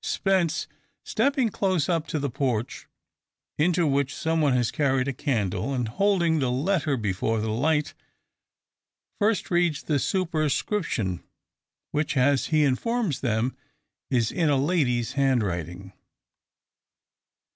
Spence, stepping close up to the porch into which some one has carried a candle and holding the letter before the light, first reads the superscription, which, as he informs them, is in a lady's handwriting.